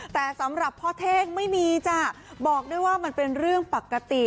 แต่สำหรับพ่อเท่งไม่มีจ้ะบอกได้ว่ามันเป็นเรื่องปกติ